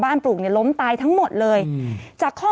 ศูนย์อุตุนิยมวิทยาภาคใต้ฝั่งตะวันอ่อค่ะ